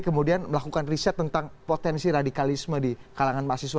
kemudian melakukan riset tentang potensi radikalisme di kalangan mahasiswa